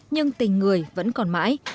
nhưng tình người vẫn còn mãi